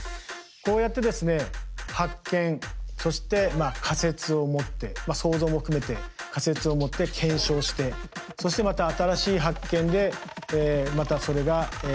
こうやってですね発見そして仮説を持って想像も含めて仮説を持って検証してそしてまた新しい発見でまたそれが謎が深まっていく。